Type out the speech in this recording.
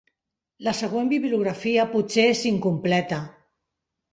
La següent bibliografia potser és incompleta.